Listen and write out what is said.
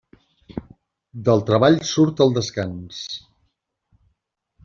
Del treball surt el descans.